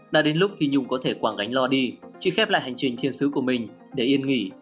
đã đến lúc phi nhung có thể quảng gánh lo đi chị khép lại hành trình thiên sứ của mình để yên nghỉ